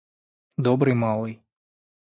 Добрый малый.